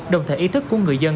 đồng thời ý thức của người dân